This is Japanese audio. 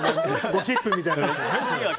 ゴシップみたいな。